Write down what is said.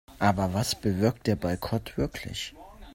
Aber was bewirkt der Boykott wirklich?